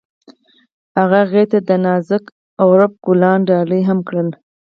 هغه هغې ته د نازک غروب ګلان ډالۍ هم کړل.